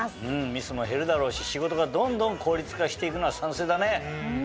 ミスも減るだろうし仕事がどんどん効率化して行くのは賛成だね。